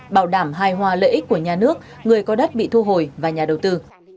bảo đảm hài hòa lợi ích của nhà nước người có đất bị thu hồi và nhà đầu tư